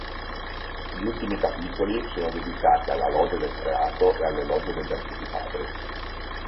Gli ultimi capitoli sono dedicati alla lode del creato e all'elogio degli antichi padri.